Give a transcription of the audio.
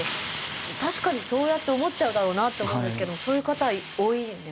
確かにそうやって思っちゃうだろうなって思うんですけどもそういう方多いんですか？